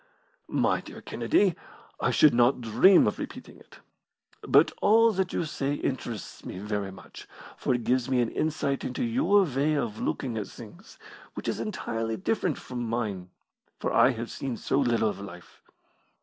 "My dear Kennedy, I should not dream of repeating it. But all that you say interests me very much, for it gives me an insight into your way of looking at things, which is entirely different from mine, for I have seen so little of life.